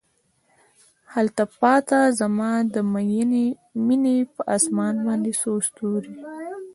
هلته پاته زما د میینې په اسمان باندې څو ستوري